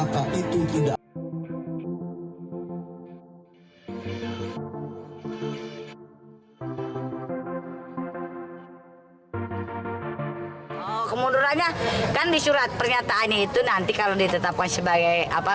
kemudurannya kan disurat pernyataannya itu nanti kalau ditetapkan sebagai apa